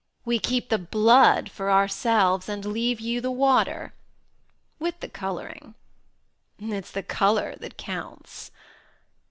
We keep the blood for ourselves and leave you the water — ^with the colouring. It's the colour that counts!